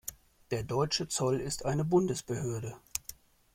Der deutsche Zoll ist eine Bundesbehörde.